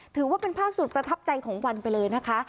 ถือว่าเป็นภาพสุดประทับใจของวันไปเลยนะคะ